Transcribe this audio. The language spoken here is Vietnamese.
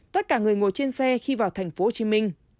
tất cả người ngồi trên xe khi vào tp hcm